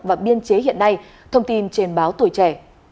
và biên chế hiện nay thông tin trên báo tuổi trẻ